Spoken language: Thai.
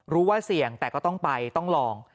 รู้ว่าเสี่ยงแต่ก็ต้องไปต้องลอง